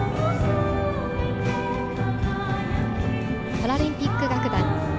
パラリンピック楽団。